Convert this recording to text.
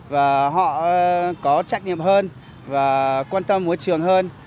và họ có trách nhiệm hơn và quan tâm môi trường hơn